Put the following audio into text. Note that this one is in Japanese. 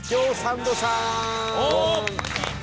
「おっ！」